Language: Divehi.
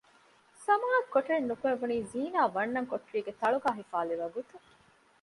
ސަމާއަށް ކޮޓަރިން ނުކުމެވުނީ ޒީނާ ވަންނަން ކޮޓަރީގެ ތަޅުގައި ހިފާލި ވަގުތު